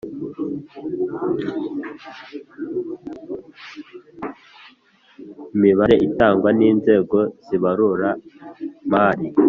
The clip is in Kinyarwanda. imibare itangwa ninzego zibarura mari